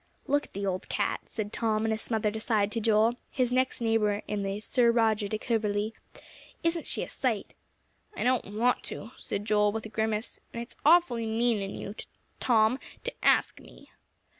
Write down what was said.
"Look at the old cat," said Tom in a smothered aside to Joel, his next neighbor in the "Sir Roger de Coverley." "Isn't she a sight!" "I don't want to," said Joel, with a grimace, "and it's awfully mean in you, Tom, to ask me."